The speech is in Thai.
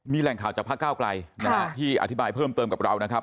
มีแหล่งข่าวจากพระเก้าไกลนะฮะที่อธิบายเพิ่มเติมกับเรานะครับ